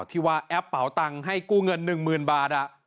ที่ว่าแอปเป๋าตังค์ให้กู้เงิน๑๐๐๐บาท